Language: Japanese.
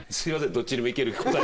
どっちにもいける答え。